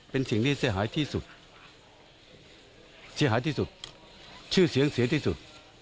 เป็นสิ่งที่เสียหายที่สุด